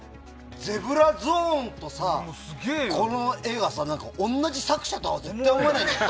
ゼブラゾーンとこの絵が同じ作者とは絶対思えない。